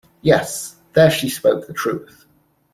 Yes, there she spoke the truth.